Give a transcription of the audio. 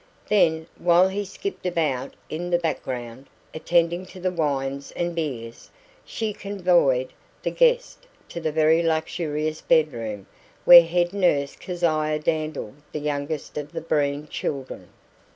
Then, while he skipped about in the background, attending to the wines and beers, she convoyed the guest to the very luxurious bedroom where head nurse Keziah dandled the youngest of the Breen children.